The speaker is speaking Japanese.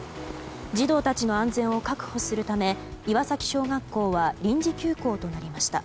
児童たちの安全を確保するためいわさき小学校は臨時休校となりました。